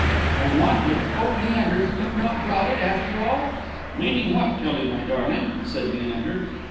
"I wanted Oh, Leander, you've not brought it, after all!" "Meaning what, Tillie, my darling?" said Leander.